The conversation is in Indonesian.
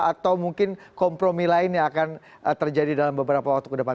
atau mungkin kompromi lain yang akan terjadi dalam beberapa waktu ke depan